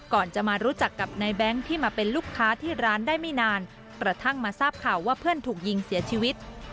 ก่อนจะมารู้จักกับนายแบงค์ที่มาเป็นลูกค้าที่ร้านได้ไม่นานกระทั่งมาทราบข่าวว่าเพื่อนถูกยิงเสียชีวิต